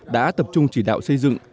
đã tập trung chỉ đạo xây dựng